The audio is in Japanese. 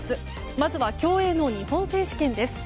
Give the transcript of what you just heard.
まずは競泳の日本選手権です。